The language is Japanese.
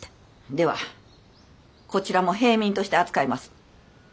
ではこちらも平民として扱います。